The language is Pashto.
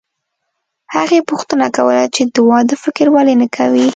هغې پوښتنه کوله چې د واده فکر ولې نه کوې